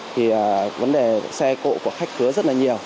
thì vấn đề xe cộ của khách khứa rất là nhiều